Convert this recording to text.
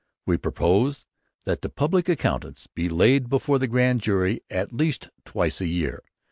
We propose that the Publick Accounts be laid before the Grand Jury at least twice a year.'